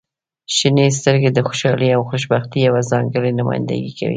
• شنې سترګې د خوشحالۍ او خوشبختۍ یوه ځانګړې نمایندګي کوي.